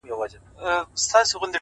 زنګ وهلی د خوشال د توري شرنګ یم ـ